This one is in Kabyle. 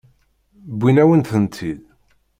Wwin-awen-tent-id.